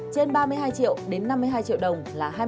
trên ba mươi hai triệu đến năm mươi hai triệu đồng là hai mươi năm